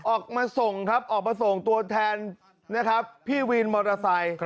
ออกมาส่งครับออกมาส่งตัวแทนนะครับพี่วินมอเตอร์ไซค์